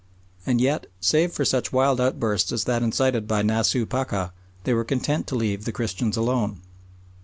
And yet, save for such wild outbursts as that incited by Nasooh Pacha, they were content to leave the Christians alone.